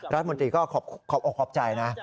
รัฐบริก็ขอบใจนะ